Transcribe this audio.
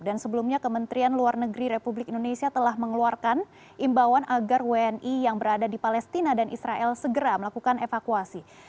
dan sebelumnya kementerian luar negeri republik indonesia telah mengeluarkan imbauan agar wni yang berada di palestina dan israel segera melakukan evakuasi